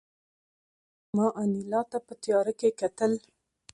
ما انیلا ته په تیاره کې کتل